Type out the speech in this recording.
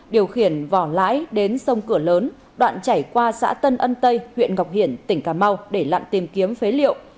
điều khiển vỏ lãi đến sông cửa lớn đoạn chảy qua xã tân ân tây huyện ngọc hiển tỉnh cà mau để lặn tìm kiếm phế liệu